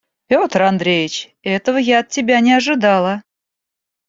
Петр Андреич! Этого я от тебя не ожидала.